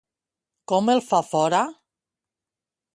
Com el fa fora?